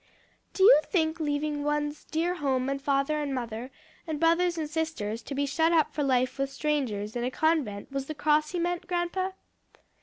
"Do you think leaving one's dear home and father and mother, and brothers and sisters to be shut up for life with strangers, in a convent, was the cross he meant, grandpa?"